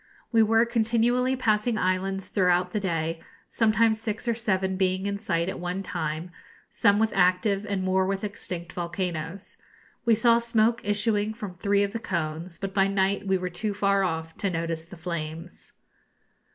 We were continually passing islands throughout the day, sometimes six or seven being in sight at one time, some with active and more with extinct volcanoes. We saw smoke issuing from three of the cones, but by night we were too far off to notice the flames.